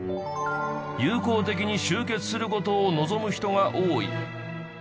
友好的に終結する事を望む人が多い。